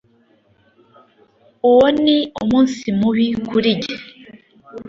uwo ni umunsi mubi kuri njye